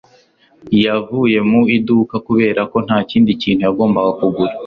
yavuye mu iduka kubera ko nta kindi kintu yagombaga kugura